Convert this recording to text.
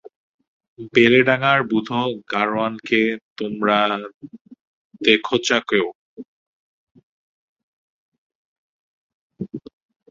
বেলেডাঙার বুধো গাড়োয়ানকে তোমরা দেখোচা কেউ?